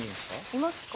いますか？